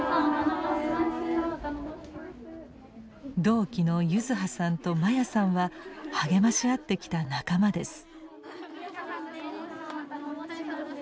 同期の柚子葉さんと真矢さんは励まし合ってきた仲間です。